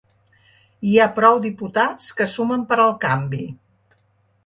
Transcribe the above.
Hi ha prou diputats que sumen per al canvi.